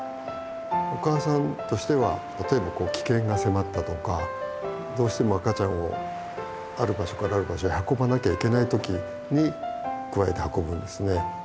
お母さんとしては例えば危険が迫ったとかどうしても赤ちゃんをある場所からある場所へ運ばなきゃいけない時にくわえて運ぶんですね。